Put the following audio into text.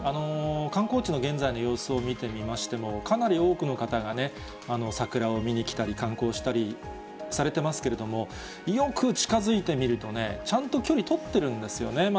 観光地の現在の様子を見てみましても、かなり多くの方が桜を見に来たり、観光したりされてますけれども、よく近づいてみるとね、ちゃんと距離取ってるんですよね。